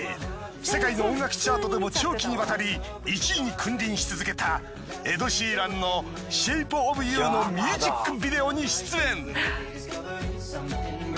世界の音楽チャートでも長期にわたり１位に君臨し続けたエド・シーランの『ＳｈａｐｅｏｆＹｏｕ』のミュージックビデオに出演。